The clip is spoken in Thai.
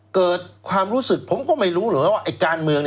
เกิดความรู้สึกผมก็ไม่รู้เหรอว่าไอ้การเมือง